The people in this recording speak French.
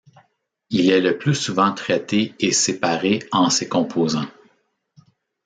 Il est le plus souvent traité et séparé en ses composants.